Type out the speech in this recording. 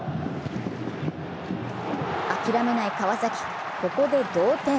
諦めない川崎、ここで同点。